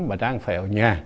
mà đang phải ở nhà